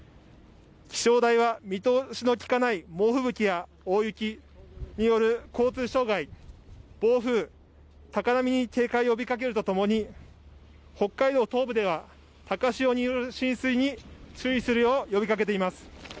気象台は見通しのきかない猛吹雪や大雪による交通障害、暴風、高波に警戒を呼びかけるとともに、北海道東部では高潮による浸水に注意するよう呼びかけています。